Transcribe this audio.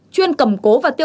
chuyên cầm cố và xác định